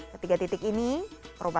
ketiga titik ini perubahan